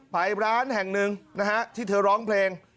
ไปร้านแห่งหนึ่งนะฮะที่เธอร้องเพลง